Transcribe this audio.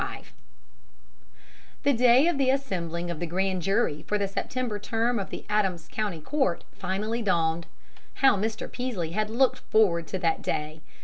] V The day of the assembling of the grand jury for the September term of the Adams County court finally dawned. How Mr. Peaslee had looked forward to that day!